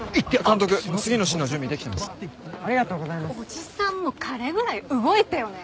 おじさんも彼ぐらい動いてよね！